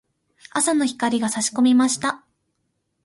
朝の光が差し込みました。